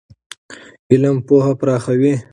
علم پوهه پراخوي.